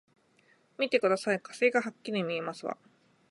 見てください、火星がはっきり見えますわ！